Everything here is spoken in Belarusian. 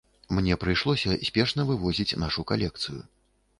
Мне прыйшлося спешна вывозіць нашу калекцыю.